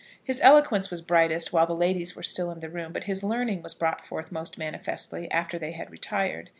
His eloquence was brightest while the ladies were still in the room, but his learning was brought forth most manifestly after they had retired.